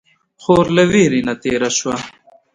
خور له ویرې نه تېره شوې ده.